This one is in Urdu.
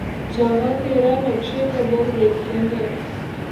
جہاں تیرا نقشِ قدم دیکھتے ہیں